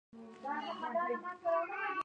بلکې په انسان کې ياد جېن د مثل توليد غواړي.